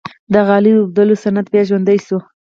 د غالۍ اوبدلو صنعت بیا ژوندی شو؟